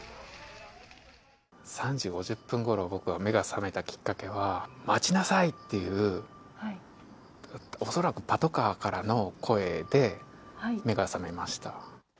３時５０分ごろ、僕は目が覚めたきっかけは、待ちなさい！っていう、恐らくパトカーからの声で目が覚めました。